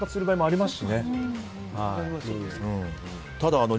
あります？